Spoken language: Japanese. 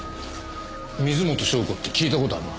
水元湘子って聞いた事あるな。